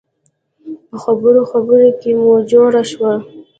په خبرو خبرو کې مو جوړه شوه.